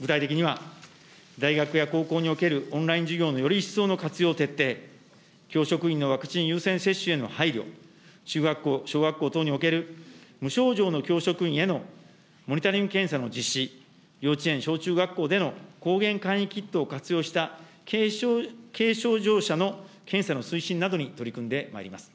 具体的には大学や高校におけるオンライン授業のより一層の活用徹底、教職員のワクチン優先接種への配慮、中学校、小学校等における、無症状の教職員へのモニタリング検査の実施、幼稚園、小中学校での抗原簡易キットを活用した、軽症状者の検査の推進などに取り組んでまいります。